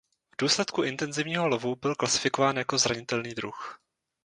V důsledku intenzivního lovu byl klasifikován jako zranitelný druh.